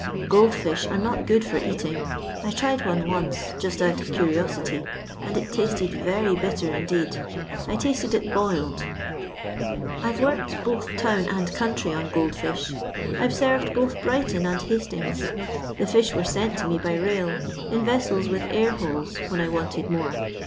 Gold fish are not good for eating. I tried one once, just out of curiosity, and it tasted very bitter indeed ; I tasted it boiled. I've worked both town and eonntry on gold fish. I 're serred both Brighton and Hastings. The fish were sent to me by rail, in Tesseb with air holes, when I wanted more.